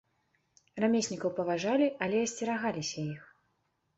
Рамеснікаў паважалі, але асцерагаліся іх.